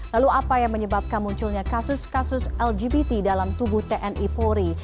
lalu apa yang menyebabkan munculnya kasus kasus lgbt dalam tubuh tni polri